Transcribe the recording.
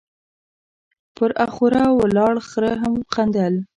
، پر اخوره ولاړ خره هم خندل،